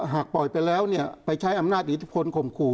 หากปล่อยไปแล้วไปใช้อำนาจอิทธิพลข่มขู่